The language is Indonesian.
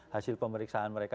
hasil pemeriksaan mereka